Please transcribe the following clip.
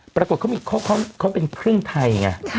ปรากฏเขาเป็นครึ่งไทยไง